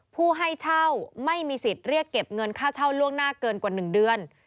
ผู้ให้เช่าไม่มีสิทธิ์เรียกเก็บเงินค่าเช่าล่วงหน้าเกินกว่า๑เดือน